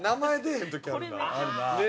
あるな。